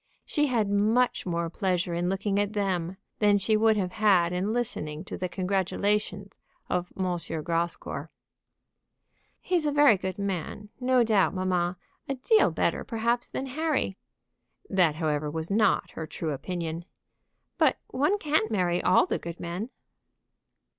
She had much more pleasure in looking at them than she would have had in listening to the congratulations of M. Grascour. "He's a very good man, no doubt, mamma; a deal better, perhaps, than Harry." That, however, was not her true opinion. "But one can't marry all the good men."